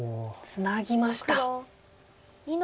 ツナぎました。